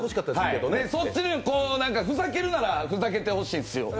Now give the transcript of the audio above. そっちで、ふざけるならふざけてほしいですよ。